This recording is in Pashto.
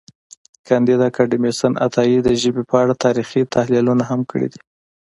کانديد اکاډميسن عطایي د ژبې په اړه تاریخي تحلیلونه هم کړي دي.